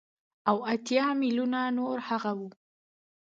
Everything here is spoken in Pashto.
او اتيا ميليونه نور هغه وو.